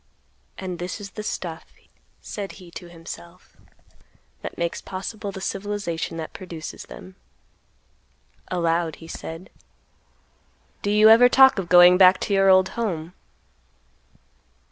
"And this is the stuff," said he to himself, "that makes possible the civilization that produces them." Aloud, he said, "Do you ever talk of going back to your old home?"